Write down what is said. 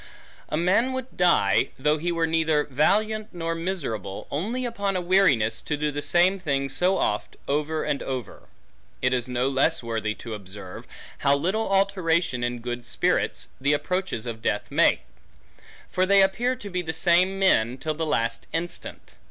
A man would die, though he were neither valiant, nor miserable, only upon a weariness to do the same thing so oft, over and over. It is no less worthy, to observe, how little alteration in good spirits, the approaches of death make; for they appear to be the same men, till the last instant.